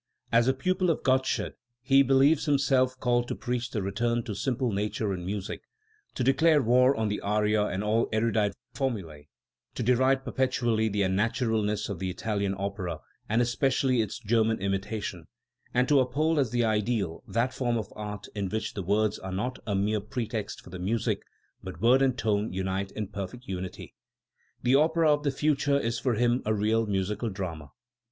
As a pupil of Gott sched, he believes himself called to preach the return to simple nature in music, to declare war on the aria and all erudite formulae, to deride perpetually the unnatural ness of the Italian opera and especially its German imita tion, and to uphold as the ideal that form of art in which the words are not a mere pretext for the music, but word and tone unite in perfect unity. The opera of the future is for him a real musical drama.